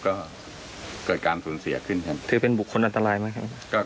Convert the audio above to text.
ก็เกิดการสูญเสียขึ้นครับถือเป็นบุคคลอันตรายไหมครับ